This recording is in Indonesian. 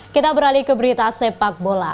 kita beralih ke berita sepak bola